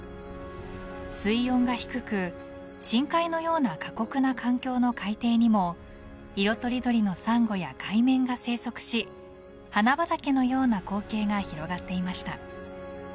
水温が低く、深海のような過酷な環境の海底にも色とりどりのサンゴや海綿が生息し花畑のような光景が広がっていました。